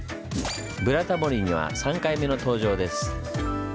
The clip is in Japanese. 「ブラタモリ」には３回目の登場です。